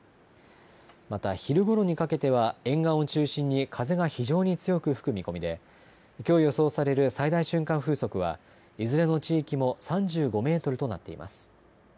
また昼ごろにかけては、沿岸を中心に風が非常に強く吹く見込みで、きょう予想される最大瞬間風速は、いずれの地域も３５メートルとなっています。